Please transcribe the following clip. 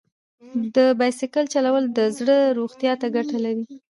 د بایسکل چلول د زړه روغتیا ته ګټه لري.